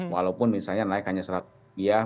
walaupun misalnya naik hanya seratus rupiah